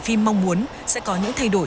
phim mong muốn sẽ có những thay đổi